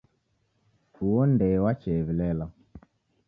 Uwo ndee wachew'ilela